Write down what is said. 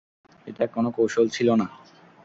এটা কোন কৌশল ছিল না।